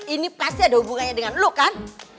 ini pasti ada hubungannya dengan lo kan